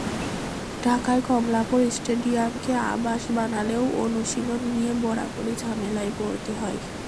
ঢাকায় কমলাপুর স্টেডিয়ামকে আবাস বানালেও অনুশীলন নিয়ে বরাবরই ঝামেলায় পড়তে হয়।